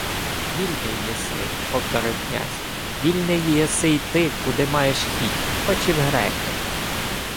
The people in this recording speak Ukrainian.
— Вільний єси, — повторив князь. — Вільний єси йти, куди маєш хіть. Хоч і в греки.